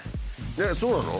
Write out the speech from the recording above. えっそうなの？